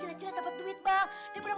daripada ngebunuh lu ngapain coba